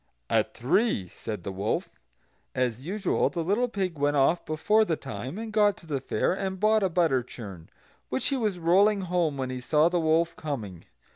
"At three," said the wolf. As usual the little pig went off before the time, and got to the fair, and bought a butter churn, which he was rolling home when he saw the wolf coming.